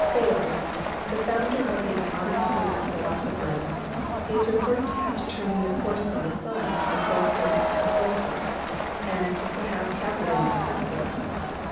Thales, the founder of the Ionic school of philosophers, is reported to have determined the course of the sun from solstice to solstice and to have calculated eclipses.